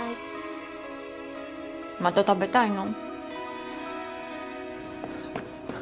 また食べたいな。